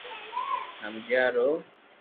ھمجيا رو